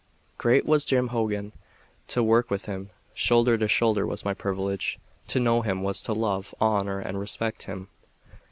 Great was Jim Hogan. To work with him shoulder to shoulder was my privilege. To know him, was to love, honor and respect him.